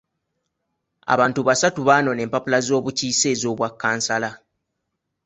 Abantu basatu baanona empapula z'obukiise ez'obwa kansala.